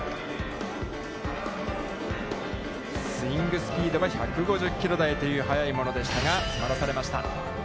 スイングスピードは１５０キロ台という速いものでしたが詰まらされました。